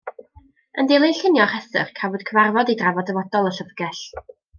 Yn dilyn llunio'r rhestr, cafwyd cyfarfod i drafod dyfodol y llyfrgell.